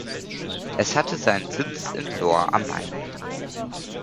Es hatte seinen Sitz in Lohr am Main.